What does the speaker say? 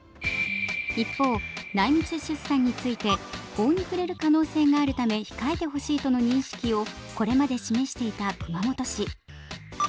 一方、内密出産について法に触れる可能性があるため控えてほしいとの認識をこれまで示していた熊本市。